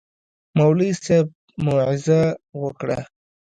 مولوي صاحب موعظه وکړه.